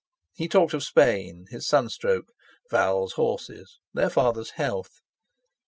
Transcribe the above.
He talked of Spain, his sunstroke, Val's horses, their father's health.